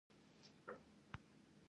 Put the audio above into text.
ایا دلته جای نماز شته؟